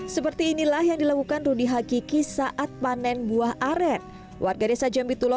seperti inilah yang dilakukan rudy hakiki saat panen buah aren warga desa jambi tulo